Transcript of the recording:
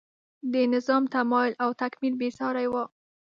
د نظام تمایل او تکمیل بې سارۍ و.